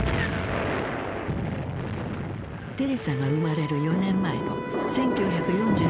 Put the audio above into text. テレサが生まれる４年前の１９４９年。